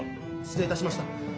失礼致しました。